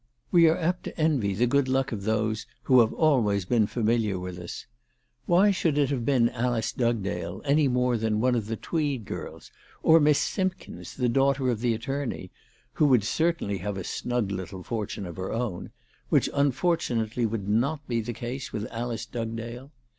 We are apt to envy the good luck of those who have always been familiar with us. Why should it have been Alice Dugdale any more than one of the Tweed girls, or Miss Simkins, the daughter of the attorney, who would certainly have a snug little for ALICE DUGDALE. 353 tune of her own, which unfortunately would not be the case with Alice Dugdale